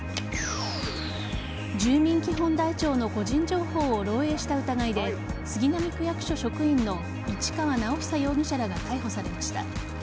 住民基本台帳の個人情報を漏えいした疑いで杉並区役所職員の市川直央容疑者らが逮捕されました。